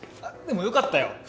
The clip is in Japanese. でもよかったよ。